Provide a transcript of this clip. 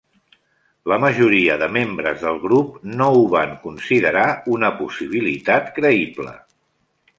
La majoria de membres del grup no ho van considerar una possibilitat creïble.